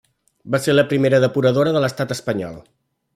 Va ser la primera depuradora de l'estat espanyol.